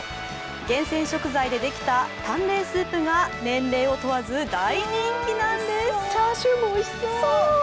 厳選食材でできた淡麗スープが年齢を問わず大人気なんです。